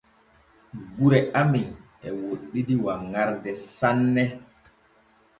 Gure amen e woɗɗidi wanŋarde sanne.